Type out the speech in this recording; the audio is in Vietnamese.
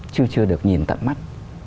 để được nhìn tận mắt